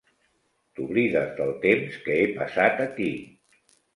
T"oblides del temps que he passat aquí.